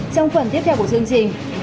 trong phần tiếp theo của chương trình